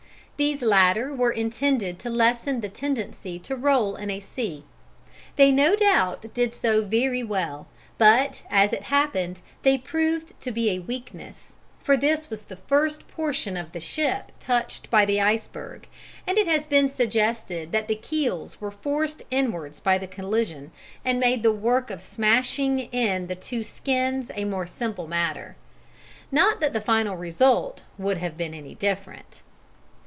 These latter were intended to lessen the tendency to roll in a sea; they no doubt did so very well, but, as it happened, they proved to be a weakness, for this was the first portion of the ship touched by the iceberg and it has been suggested that the keels were forced inwards by the collision and made the work of smashing in the two "skins" a more simple matter. Not that the final result would have been any different.